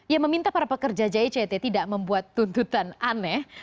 ia meminta para pekerja jict tidak membuat tuntutan aneh